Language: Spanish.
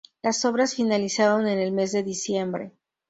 Las obras finalizaron en el mes de diciembre.